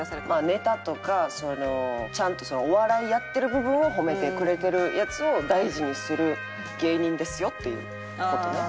ネタとかそのちゃんとお笑いやってる部分を褒めてくれてるヤツを大事にする芸人ですよっていう事ね。